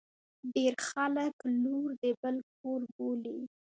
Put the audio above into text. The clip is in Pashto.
ډیر خلګ لور د بل کور بولي.